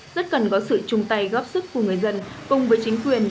rất cần có sự chung tay góp sức của người dân cùng với chính quyền